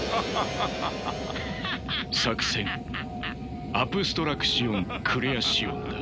作戦アプストラクシオン・クレアシオンだ。